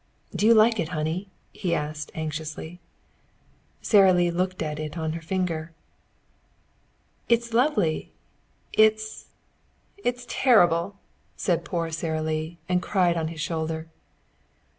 "Do you like it, honey?" he asked anxiously. Sara Lee looked at it on her finger. "It is lovely! It it's terrible!" said poor Sara Lee, and cried on his shoulder.